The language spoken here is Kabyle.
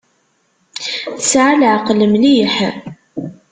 Tesɛa leɛqel mliḥ.